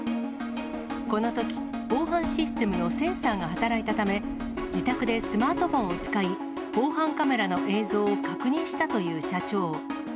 このとき、防犯システムのセンサーが働いたため、自宅でスマートフォンを使い、防犯カメラの映像を確認したという社長。